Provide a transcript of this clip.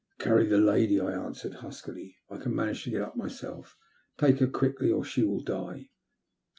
"Carry the lady," I answered huskily; "I can manage to get up myself. Take her quickly, or she will die.''